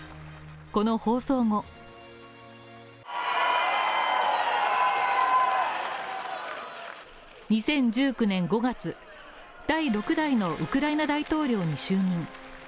この放送後２０１９年５月、第６代のウクライナ大統領に就任。